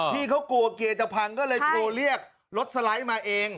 ที่เขากลัวเกียร์จะพังก็เลยโทรเรียกรถสไลด์มาเอง